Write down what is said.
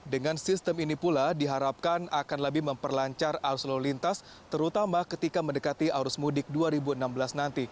dengan sistem ini pula diharapkan akan lebih memperlancar arus lalu lintas terutama ketika mendekati arus mudik dua ribu enam belas nanti